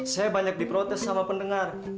saya banyak diprotes sama pendengar